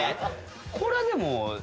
これはでも。